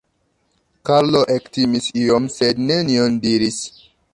Karlo ektimis iom sed nenion diris.